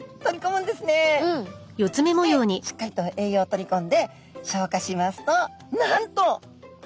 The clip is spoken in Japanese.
そしてしっかりと栄養を取りこんで消化しますとなんと！